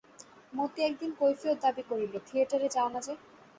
মতি একদিন কৈফিয়ত দাবি করিল, থিয়েটারে যাও না যে!